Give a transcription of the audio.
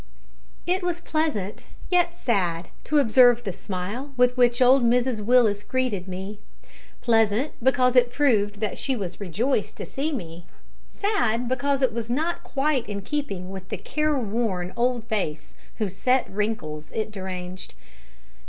It was pleasant yet sad to observe the smile with which old Mrs Willis greeted me pleasant, because it proved that she was rejoiced to see me; sad, because it was not quite in keeping with the careworn old face whose set wrinkles it deranged.